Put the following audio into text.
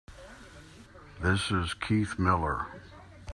This is Keith Miller.